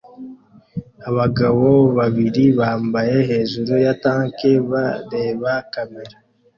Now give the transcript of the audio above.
Abagore babiri bambaye hejuru ya tank bareba kamera